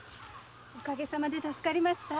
おかげ様で助かりました。